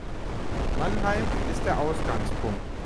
Mannheim ist der Ausgangpunkt